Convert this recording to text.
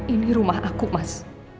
ini rumah aku mas